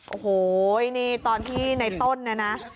โอ้โหนี่ตอนที่ในต้นเนี่ยนะ